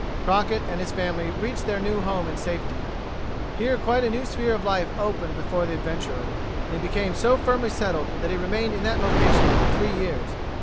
Crockett and his family reached their new home in safety. Here quite a new sphere of life opened before the adventurer, and he became so firmly settled that he remained in that location for three years.